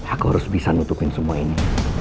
aku harus bisa nutupin semua ini